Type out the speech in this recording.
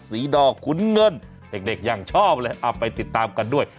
ดอกขุนเงินเด็กยังชอบเลยเอาไปติดตามกันด้วย